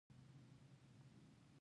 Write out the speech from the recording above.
هلته به زما کوچ ښه نه ښکاري